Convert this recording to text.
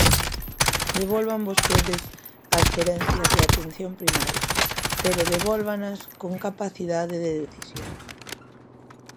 Devolvan vostedes as xerencias de Atención Primaria, pero devólvanas con capacidade de decisión.